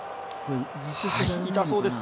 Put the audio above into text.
痛そうです。